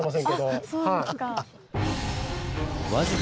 あっそうですか。